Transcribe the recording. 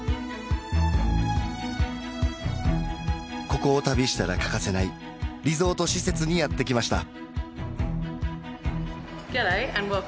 ここを旅したら欠かせないリゾート施設にやってきました